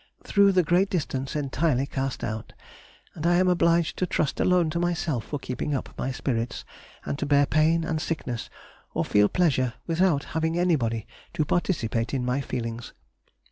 through the great distance, entirely cast out, and am obliged to trust alone to myself for keeping up my spirits, and to bear pain and sickness, or feel pleasure without having anybody to participate in my feelings.